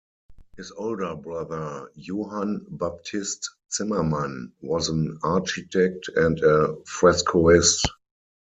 His older brother Johann Baptist Zimmermann was an architect and a frescoist.